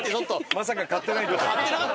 まさか買ってないとは。